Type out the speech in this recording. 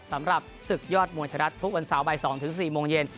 สำหรับศึกยอดมวยไทยรัฐทุกวันเสาร์บ่าย๒๔โมงเย็น